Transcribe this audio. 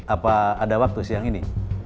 apa ada waktu siang ini